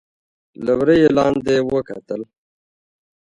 له وره يې لاندې وکتل.